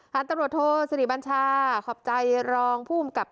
พันธุ์ตำรวจโทษสิริบัญชาขอบใจรองผู้อุ่มกับ